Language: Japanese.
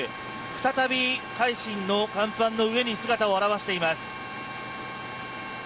再び「海進」の欄干の上に姿を現しています。